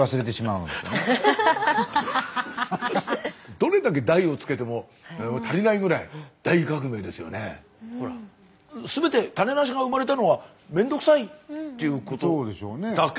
どれだけ「大」を付けても足りないぐらい全て種なしが生まれたのは面倒くさいっていうことだけ。